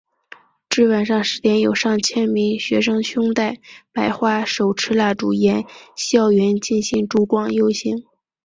至晚上十点有上千名学生胸带白花手持蜡烛沿校园进行烛光游行。